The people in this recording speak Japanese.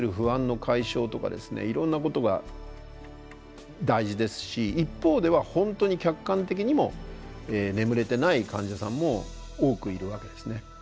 いろんなことが大事ですし一方では本当に客観的にも眠れてない患者さんも多くいるわけですね。